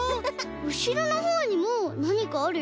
うしろのほうにもなにかあるよ。